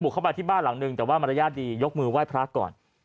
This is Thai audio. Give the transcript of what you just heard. เข้ามาที่บ้านหลังนึงแต่ว่ามารยาทดียกมือไหว้พระก่อน